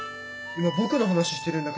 今僕の話してるんだけど。